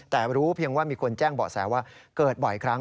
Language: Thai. แต่รู้เพียงว่ามีคนแจ้งเบาะแสว่าเกิดบ่อยครั้ง